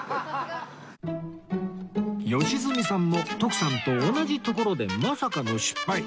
良純さんも徳さんと同じところでまさかの失敗